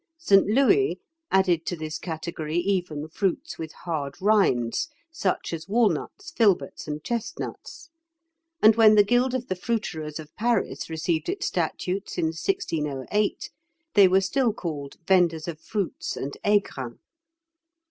St. Louis added to this category even fruits with hard rinds, such as walnuts, filberts, and chestnuts; and when the guild of the fruiterers of Paris received its statutes in 1608, they were still called "vendors of fruits and aigrun."